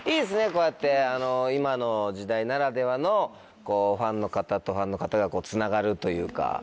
こうやって今の時代ならではのファンの方とファンの方がつながるというか。